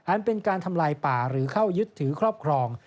เป็นการทำลายป่าหรือเข้ายึดถือครอบครอง